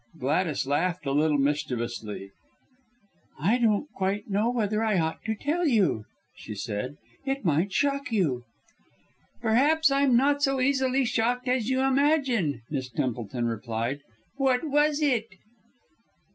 Gladys laughed a little mischievously. "I don't quite know whether I ought to tell you," she said. "It might shock you." "Perhaps I'm not so easily shocked as you imagine," Miss Templeton replied. "What was it?"